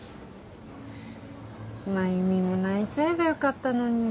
繭美も泣いちゃえばよかったのに。